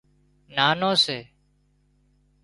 نانو سي